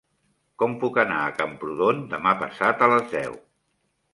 Com puc anar a Camprodon demà passat a les deu?